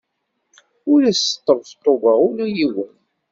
Ur as-sṭebṭubeɣ ula i yiwen.